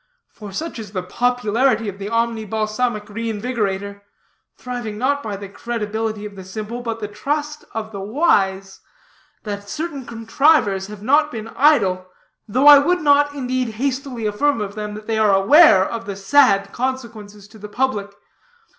For such is the popularity of the Omni Balsamic Reinvigorator thriving not by the credulity of the simple, but the trust of the wise that certain contrivers have not been idle, though I would not, indeed, hastily affirm of them that they are aware of the sad consequences to the public.